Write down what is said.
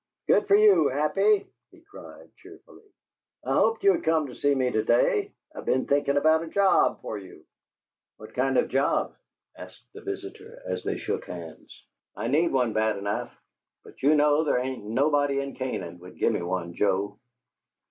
"Good for you, Happy!" he cried, cheerfully. "I hoped you'd come to see me to day. I've been thinking about a job for you." "What kind of a job?" asked the visitor, as they shook hands. "I need one bad enough, but you know there ain't nobody in Canaan would gimme one, Joe."